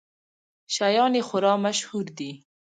شیان یې خورا مشهور دي.